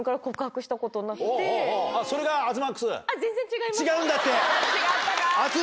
違うんだって。